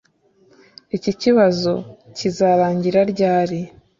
Iki kibazo kizarangira ryari